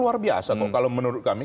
luar biasa kok kalau menurut kami